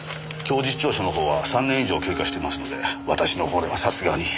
供述調書の方は３年以上経過してますので私の方ではさすがに。